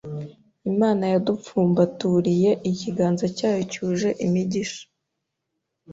Imana yadupfumbaturiye ikiganza cyayo cyuje imigisha,